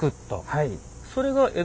はい。